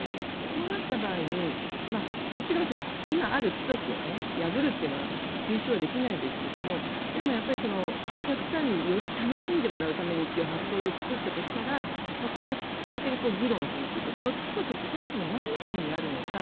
そうなった場合に、もちろん今ある規則を破るというのは推奨はできないですけどでもやっぱりお客さんにより楽しんでもらうためにという発想で作ったとしたらこれをきっかけに議論するというかその規則ってそもそもなんのためにあるのか